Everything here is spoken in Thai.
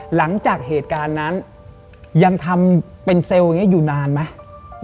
หลังจากเหตุการณ์นั้นยังทำเป็นเซลล์อย่างนี้อยู่นานไหม